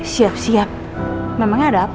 siap siap memang ada